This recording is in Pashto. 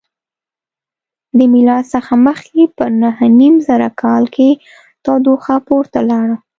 له میلاد څخه مخکې په نهه نیم زره کال کې تودوخه پورته لاړه.